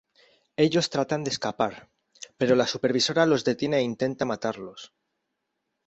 Ellos tratan de escapar, pero la Supervisora los detiene e intenta matarlos.